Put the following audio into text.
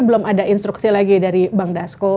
belum ada instruksi lagi dari bang dasko